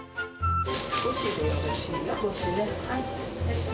少しでよろしいの？